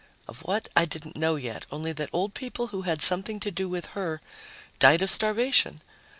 Of what, I didn't know yet, only that old people who had something to do with her died of starvation.